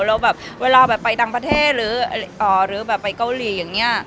แล้วแบบเวลาแบบไปต่างประเทศหรือแบบไปเกาหลีอย่างนี้